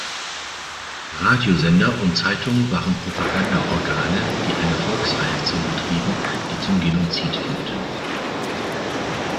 Radiosender und Zeitung waren Propaganda-Organe, die eine Volksverhetzung betrieben, die zum Genozid führten.